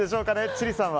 千里さんは？